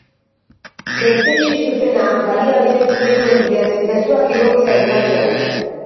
Gaitzetsi zutena baliabide publikoen bidez mezuak igortzea izan zen.